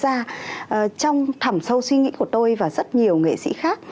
và trong thẩm sâu suy nghĩ của tôi và rất nhiều nghệ sĩ khác